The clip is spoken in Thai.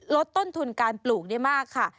ลดต้นทุนการปลูกได้มากค่ะ